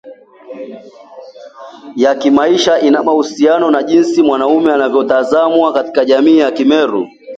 ya kimaisha ina uhusiano na jinsi mwanamume anavyotazamwa katika jamii ya Wameru